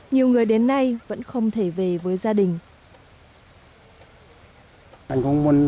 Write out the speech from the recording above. nhiều người đến nay vẫn không thể về với gia đình